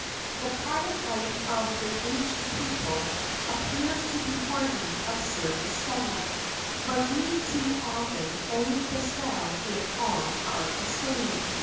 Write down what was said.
The private life of the ancient people appears to be worthy of serious study; but we too often only bestow on it our disdain.